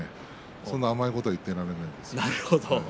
そんな甘いことは言ってられないです。